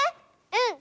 うん！